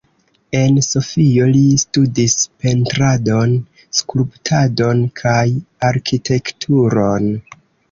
En Sofio li studis Pentradon, Skulptadon kaj Arkitekturon.